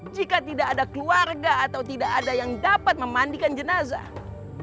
jika tidak ada keluarga atau tidak ada yang dapat memandikan jenazah